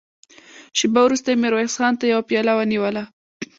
شېبه وروسته يې ميرويس خان ته يوه پياله ونيوله.